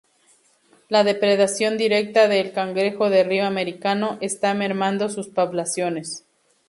La depredación directa de el cangrejo de río americano, está mermando sus poblaciones.